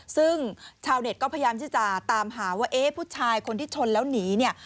ซึ่งชาวเน็ตก็พยายามที่จะตามหาว่าเอ๊ะผู้ชายคนที่ชนแล้วหนีเนี่ย